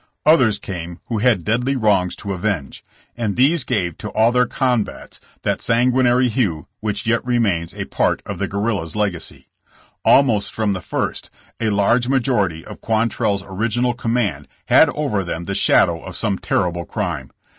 Others came who had deadly wrongs to avenge, and these gave to all their combats that sanguinary hue which yet remains a part of the guer rilla's legacy. Almost from the first, a large major ity of QuantrelFs original command had over them the shadow of some terrible crime.